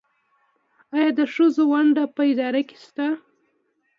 آیا د ښځو ونډه په اداره کې شته؟